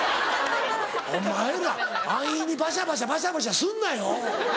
お前ら安易にパシャパシャパシャパシャすんなよ。